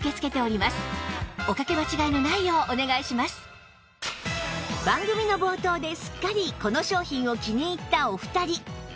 こちらも番組の冒頭ですっかりこの商品を気に入ったお二人